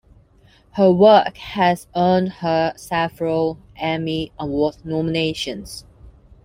Her work has earned her several Emmy Award nominations.